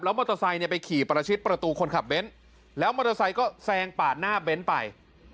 แล้วมอเตอร์ไซต์ไปขี่ประชิตประตูคนขับเบนส์แล้วมอเตอร์ไซต์ก็แซงปากหน้าเบนส์ไป